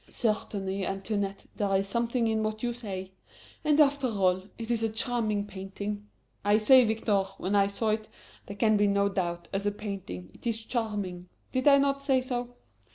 "Certainly, Antoinette, there is something in what you say. And, after all, it is a charming painting. I said, Victor, when I saw it, there can be no doubt, as a painting, it is charming did I not say so?"